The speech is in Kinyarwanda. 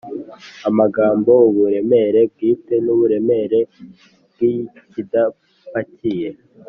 Amagambo "uburemere bwite n’uburemere bw'ikidapakiye"